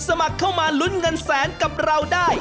สมัครเข้ามาลุ้นเงินแสนกับเราได้